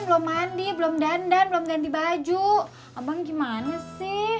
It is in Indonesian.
belum mandi belum dandan belum ganti baju abang gimana sih